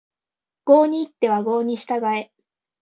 郷に入っては郷に従え